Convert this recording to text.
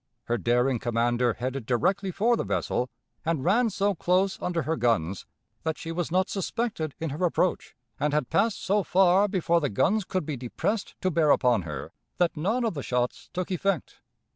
Her daring commander headed directly for the vessel, and ran so close under her guns that she was not suspected in her approach, and had passed so far before the guns could be depressed to bear upon her that none of the shots took effect.